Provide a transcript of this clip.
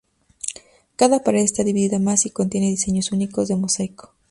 Cada pared está dividida más y contiene diseños únicos de mosaico.